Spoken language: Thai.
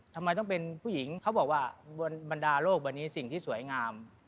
ทำไมต้องเป็นผู้หญิงเขาบอกว่าบรรดาโลกวันนี้สิ่งที่สวยงาม